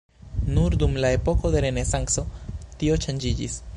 Nur dum la epoko de renesanco tio ŝanĝiĝis.